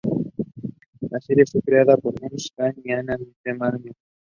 La serie fue creada pro Maureen Chadwick y Ann McManus.